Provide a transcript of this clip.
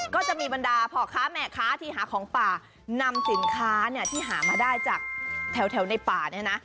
ก็จะมีบรรดาพ่อค้าแม่ค้าที่หาของป่านำสินค้าเนี่ยที่หามาได้จากแถวในป่าเนี่ยนะ